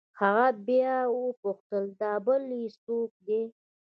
هغه بيا وپوښتل دا بل يې سوک دې.